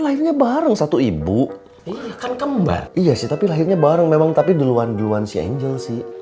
lahirnya bareng satu ibu kan kembar iya sih tapi lahirnya bareng memang tapi duluan duluan si angel sih